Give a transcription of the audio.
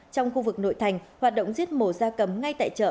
trong khu vực nội thành hoạt động giết mổ da cầm ngay tại chợ